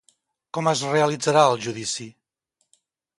Com es realitzarà el judici?